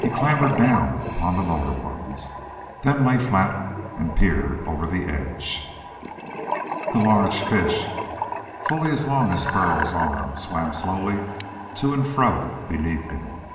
He clambered down upon the lower ones, then lay flat and peered over the edge. The large fish, fully as long as Burl's arm, swam slowly to and fro beneath him.